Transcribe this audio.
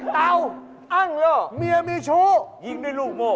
เตาอ้างเหรอเมียมีชู้ยิงด้วยลูกโม่